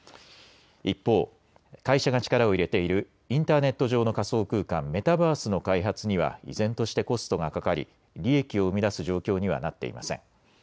一方、会社が力を入れているインターネット上の仮想空間、メタバースの開発には依然としてコストがかかり利益を生み出す状況にはなっていません。